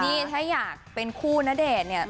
นี่ถ้าอยากเป็นคู่ณเดชน์เนี่ย